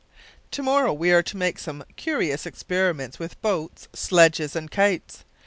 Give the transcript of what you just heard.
"To morrow we are to make some curious experiments with boats, sledges, and kites.